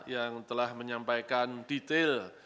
yang telah menyampaikan detail